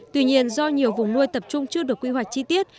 tuy nhiên do nhiều vùng nuôi tập trung chưa được quy hoạch chi tiết